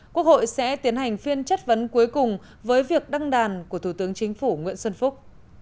quốc hội sẽ tiến hành phiên chất vấn cuối cùng với việc đăng đàn của thủ tướng chính phủ nguyễn xuân phúc